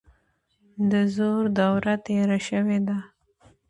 د زور دوره تیره شوې ده.